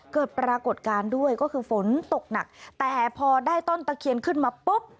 เกิดปรากฏการณ์ด้วยก็คือฝนตกหนักแต่พอได้ต้นตะเคียนขึ้นมาปุ๊บ